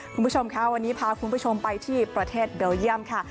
คุณผู้ชมค่ะวันนี้พาคุณผู้ชมไปที่ประเทศเบลเยี่ยมค่ะ